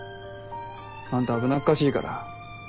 あんた危なっかしいから。